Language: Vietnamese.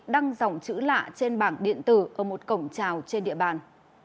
đăng dòng chữ lạ trên bảng điện tử ở một cổng trào trên địa bàn